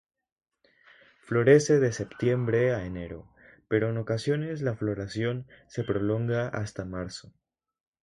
Florece de septiembre a enero, pero en ocasiones la floración se prolonga hasta marzo.